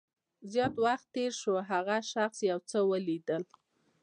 زیات وخت تېر شو او هغه شخص یو څه ولیدل